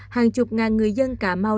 hàng chục ngàn người dân cà mau